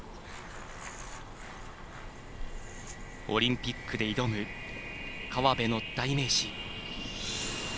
オリンピックで挑む河辺の代名詞。